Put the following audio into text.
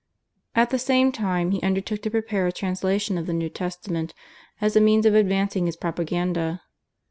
At the same time he undertook to prepare a translation of the New Testament as a means of advancing his propaganda.